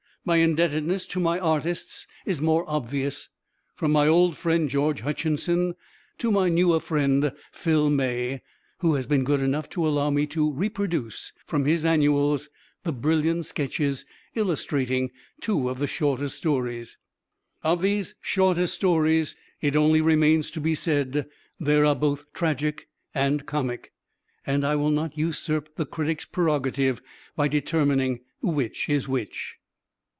My indebtedness to my artists is more obvious, from my old friend George Hutchinson to my newer friend Phil May, who has been good enough to allow me to reproduce from his Annuals the brilliant sketches illustrating two of the shorter stories. Of these shorter stories it only remains to be said there are both tragic and comic, and I will not usurp the critic's prerogative by determining which is which.